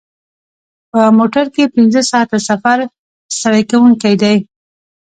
په موټر کې پنځه ساعته سفر ستړی کوونکی دی.